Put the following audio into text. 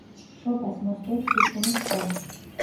შობას მოსდევს „სიჩუმის დღე“.